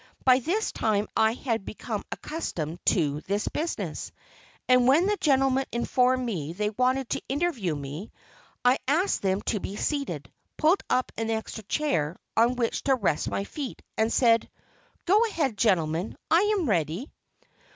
By this time I had become accustomed to this business, and when the gentlemen informed me they wanted to interview me, I asked them to be seated, pulled up an extra chair, on which to rest my feet, and said: "Go ahead, gentlemen; I am ready."